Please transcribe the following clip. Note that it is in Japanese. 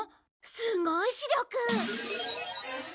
すごい視力！